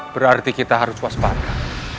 berarti kita harus waspada